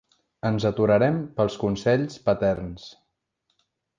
Ens aturarem pels consells paterns.